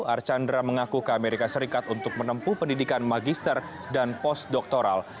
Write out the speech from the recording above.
arcandra mengaku ke amerika serikat untuk menempuh pendidikan magister dan postdoktoral